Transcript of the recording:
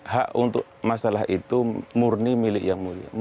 hak untuk masalah itu murni milik yang mulia